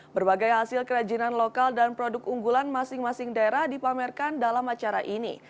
berbagai hasil kerajinan lokal dan produk unggulan masing masing daerah dipamerkan dalam acara ini